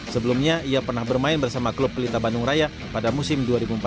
sebelumnya ia pernah bermain bersama klub pelita bandung raya pada musim dua ribu empat belas dua ribu lima belas